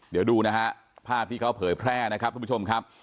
เดี๋ยวดูนะฮะภาพที่เขาเผยแพร่นะครับทุกผู้ชมครับ